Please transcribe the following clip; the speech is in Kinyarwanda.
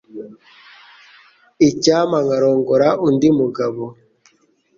Icyampa nkarongora undi mugabo.